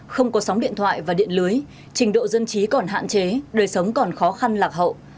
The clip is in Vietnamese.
không có sóng điện thoại và điện lưới trình độ dân trí còn hạn chế đời sống còn khó khăn lạc hậu